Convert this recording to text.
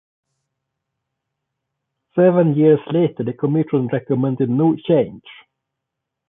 Seven years later the Commission recommended no change.